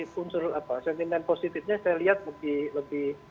sentimen positifnya saya lihat lebih